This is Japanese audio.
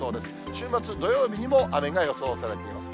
週末、土曜日にも雨が予想されています。